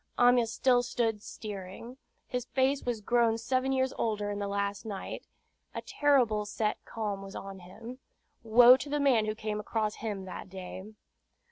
Amyas stood still steering. His face was grown seven years older in the last night. A terrible set calm was on him. Woe to the man who came across him that day!